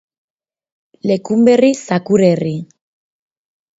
Lekunberri zakur herri.